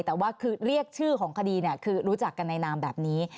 แต่ว่าคือเรียกชื่อของคดีคือรู้จักกันในนามแบบนี้